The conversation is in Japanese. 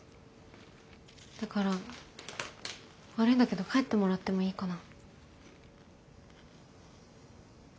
だから悪いんだけど帰ってもらってもいいかな。